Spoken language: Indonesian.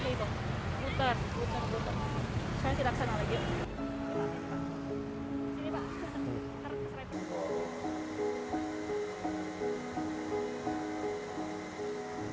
saya tidak kesana lagi